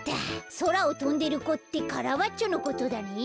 そらをとんでる子ってカラバッチョのことだね。